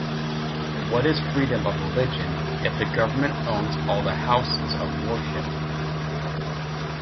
What is freedom of religion if the government owns all the houses of worship?